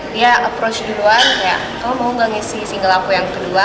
dia approach duluan kayak kamu mau gak ngisi single aku yang kedua